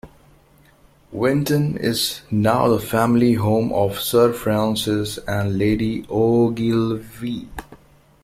Winton is now the family home of Sir Francis and Lady Ogilvy.